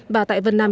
và tại vân nam